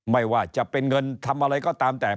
ไม่ว่าจะเป็นเงินทำอะไรก็ตามแต่